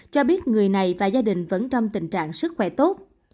cho biết người này và gia đình vẫn trong tình trạng sức khỏe tốt